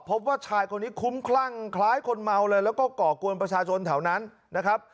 พบว่าชายคนนี้คุ้มคลั่งคล้ายคนเมาเลยแล้วก็ก่อกวนประชาชนแถวนั้นนะครับ